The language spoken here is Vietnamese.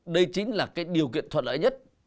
đây chính là điều kiện thuận lợi nhất